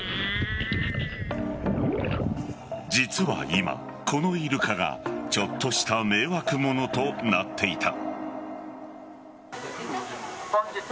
実は今、このイルカがちょっとした迷惑者となっていた。